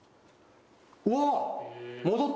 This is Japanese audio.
うわっ！